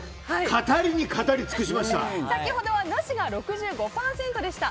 語りに語りつくしました。